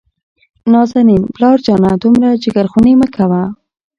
نازنين : پلار جانه دومره جګرخوني مه کوه.